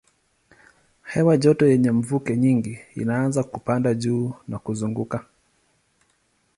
Hewa joto yenye mvuke nyingi inaanza kupanda juu na kuzunguka.